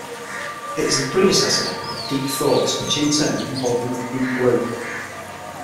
It is the predecessor of Deep Thought which in turn evolved into Deep Blue.